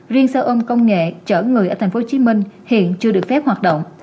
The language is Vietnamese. riêng xe ôm công nghệ chở người ở tp hcm hiện chưa được phép hoạt động